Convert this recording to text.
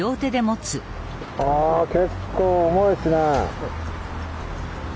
あ結構重いですね。